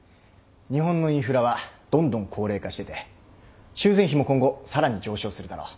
日本のインフラはどんどん高齢化してて修繕費も今後さらに上昇するだろう。